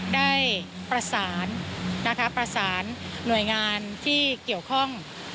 ได้ประสานแรงหน่วยงานที่เกี่ยวข้อง